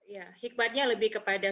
ya hikmahnya lebih kepada